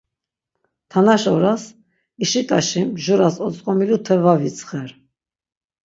Tanaş oras, işit̆aşi mjuras otzǩomilute va vidzğer.